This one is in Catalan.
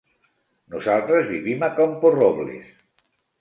Nosaltres vivim a Camporrobles.